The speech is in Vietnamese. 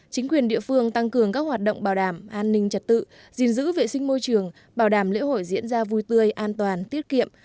chính quyền địa phương tăng cường các hoạt động bảo đảm an ninh trật tự gìn giữ vệ sinh môi trường bảo đảm lễ hội diễn ra vui tươi an toàn tiết kiệm